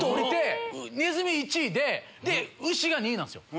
ネズミ１位で牛が２位なんすよ。